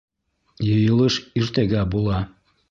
Йыйылыш иртәгә була.